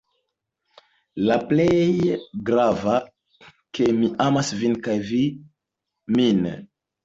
La plej gravas, ke mi amas vin kaj vi min.